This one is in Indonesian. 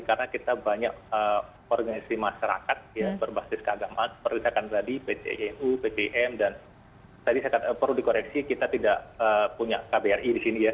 karena kita banyak organisasi masyarakat yang berbasis keagamaan perusahaan tradisi pt inu pt im dan tadi saya katakan perlu dikoreksi kita tidak punya kbri di sini ya